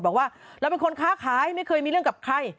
บอกว่าเราเป็นคนค้าขายไม่เคยมีเรื่องกับใคร